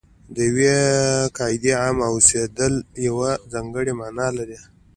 د یوې قاعدې عام اوسېدل یوه ځانګړې معنا لري.